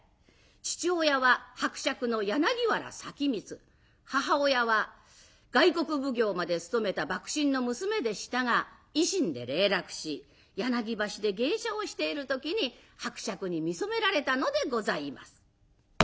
父親は伯爵の柳原前光母親は外国奉行まで務めた幕臣の娘でしたが維新で零落し柳橋で芸者をしている時に伯爵に見初められたのでございます。